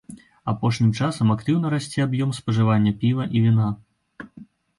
Апошнім часам актыўна расце аб'ём спажывання піва і віна.